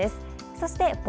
そして、棒。